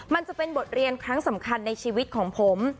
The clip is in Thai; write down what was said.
มันจะเป็นบทเรียนครั้งสำคัญในชีวิตของผม